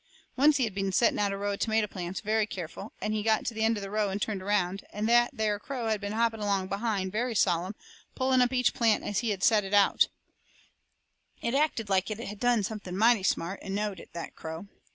Once he had been setting out a row of tomato plants very careful, and he got to the end of the row and turned around, and that there crow had been hopping along behind very sollum, pulling up each plant as he set it out. It acted like it had done something mighty smart, and knowed it, that crow.